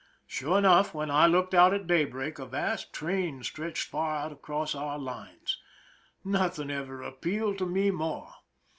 Sure enough, when I looked out at daybreak, a vast train stretched far out across to our lines. Nothing ever appealed to me more.